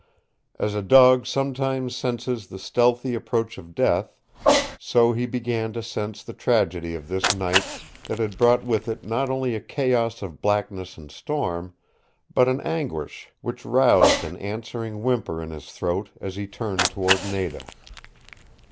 As a dog sometimes senses the stealthy approach of death, so he began to sense the tragedy of this night that had brought with it not only a chaos of blackness and storm, but an anguish which roused an answering whimper in his throat as he turned toward Nada.